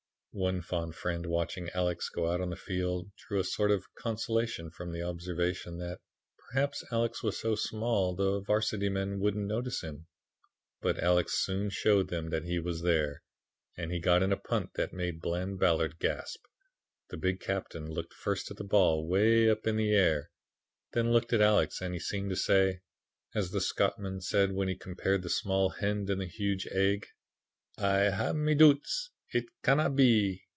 One fond friend watching Alex go out on the field drew a sort of consolation from the observation that "perhaps Alex was so small the Varsity men wouldn't notice him." But Alex soon showed them that he was there. He got in a punt that made Bland Ballard gasp. The big captain looked first at the ball, way up in the air, then looked at Alex and he seemed to say as the Scotsman said when he compared the small hen and the huge egg, "I hae me doots. It canna be."